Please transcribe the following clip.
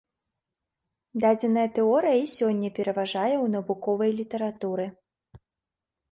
Дадзеная тэорыя і сёння пераважае ў навуковай літаратуры.